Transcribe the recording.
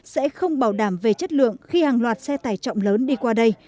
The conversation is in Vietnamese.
sẽ không bảo đảm về chất lượng khi hàng loạt xe tải trọng lớn đi qua đây